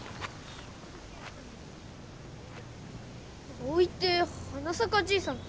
葵って花さかじいさんと。